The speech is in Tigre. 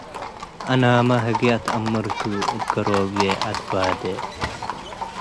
አናማ ህግየ እት አምርቱ - እት ገሮብዬ አትባዴ፣